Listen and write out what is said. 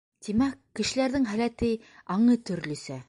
Тимәк, кешеләрҙең һәләте, аңы төрлөсә.